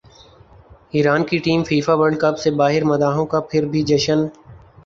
ایران کی team FIFA World cup سے باہرمداحوں کا پھر بھی جشن